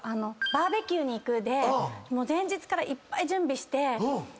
バーベキューに行くで前日からいっぱい準備して。